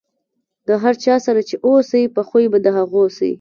د هر چا سره چې اوسئ، په خوي به د هغو سئ.